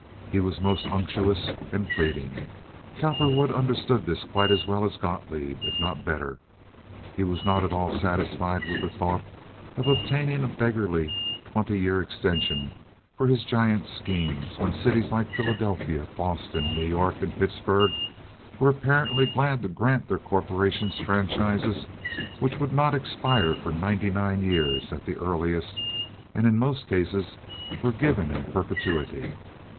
He was most unctuous and pleading. Cowperwood understood this quite as well as Gotloeb, if not better. He was not at all satisfied with the thought of obtaining a beggarly twenty year extension for his giant schemes when cities like Philadelphia, Boston, New York, and Pittsburg were apparently glad to grant their corporations franchises which would not expire for ninety nine years at the earliest, and in most cases were given in perpetuity.